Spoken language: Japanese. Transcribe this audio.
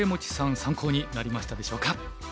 参考になりましたでしょうか。